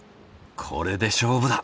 これで勝負だ！